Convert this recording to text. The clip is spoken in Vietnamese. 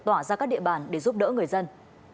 tỏa ra các địa bàn để giúp đỡ người dân